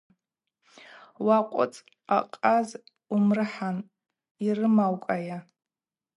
Уакъвыцӏ, ахъаз йуымрыхӏан, йрымаукӏайа.